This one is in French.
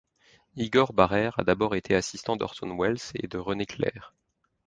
Igor Barrère a d’abord été assistant d’Orson Welles et de René Clair.